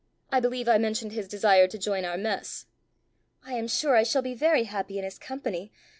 I believe I mentioned his desire to join our mess." "I am sure I shall be very happy in his company.